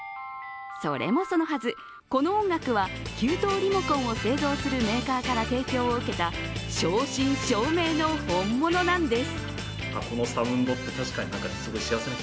それもそのはず、この音楽は給湯リモコンを製造するメーカーから提供を受けた正真正銘の本物なんです。